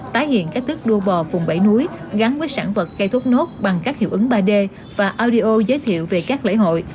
tái hiện các tước đuô bò vùng bảy núi gắn với sản vật cây thốt nốt bằng các hiệu ứng ba d và audio giới thiệu về các lễ hội